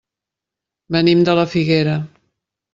Venim de la Figuera.